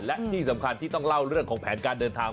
และที่สำคัญที่ต้องเล่าเรื่องของแผนการเดินทาง